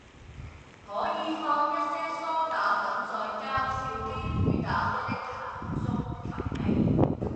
可以放一些蘇打粉在較少機會打開的鞋盒中吸味